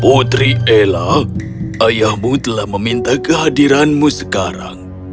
putri ella ayahmu telah meminta kehadiranmu sekarang